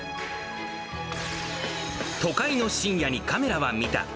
都会の深夜にカメラは見た！